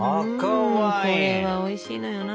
うんこれがおいしいのよな。